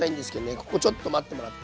ここちょっと待ってもらって。